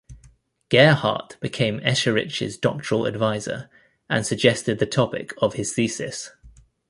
Gerhardt became Escherich's doctoral advisor and suggested the topic of his thesis.